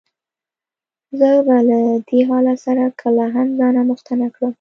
زه به له دې حالت سره کله هم ځان آموخته نه کړم.